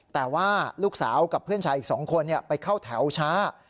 แต่ว่าลูกสาวกับเพื่อนชายอีก๒คนไปเข้าแถวช้า